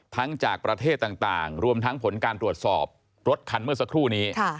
จากประเทศต่างรวมทั้งผลการตรวจสอบรถคันเมื่อสักครู่นี้